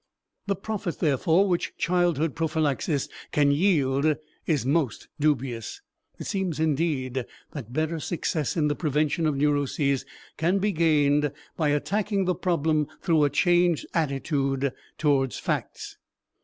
The profit, therefore, which childhood prophylaxis can yield is most dubious; it seems, indeed, that better success in the prevention of neuroses can be gained by attacking the problem through a changed attitude toward facts.